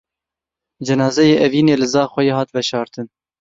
Cenazeyê Evînê li Zaxoyê hat veşartin.